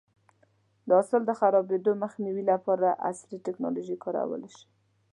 د حاصل د خرابېدو مخنیوی لپاره عصري ټکنالوژي کارول شي.